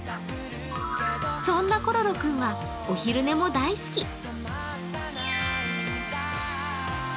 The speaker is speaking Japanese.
そんなコロロ君はお昼寝も大好き。